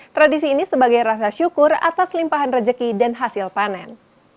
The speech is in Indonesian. tradisi ini sebagai rasa syukur atas limpahan rezeki dan hasil panen